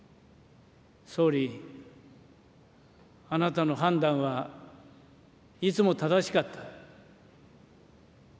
総理、あなたの判断はいつも正しかった。